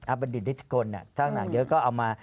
อาบัณฑิตริตรกรทั้งหลังเยอะ